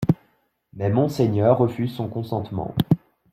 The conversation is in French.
Mais monseigneur refuse son consentement.